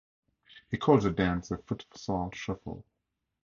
He called the dance the "Futsal Shuffle".